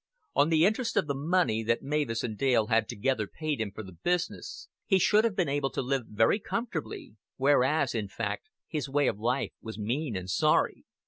On the interest of the money that Mavis and Dale had together paid him for the business, he should have been able to live very comfortably; whereas, in fact, his way of life was mean and sorry.